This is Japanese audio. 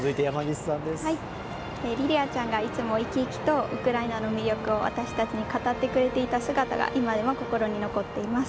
リリアちゃんが、いつも生き生きとウクライナの魅力を私たちに語ってくれていた姿が今でも心に残っています。